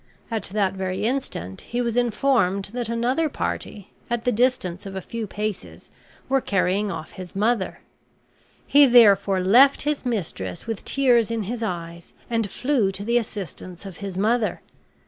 At that very instant he was informed that another party, at the distance of a few paces, were carrying off his mother; he therefore left his mistress with tears in his eyes and flew to the assistance of his mother.